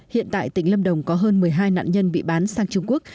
hiện tại tỉnh lâm đồng có hơn một mươi hai nạn nhân bị bán sang trung quốc